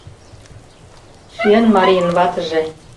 Сӱан марийын ватыже.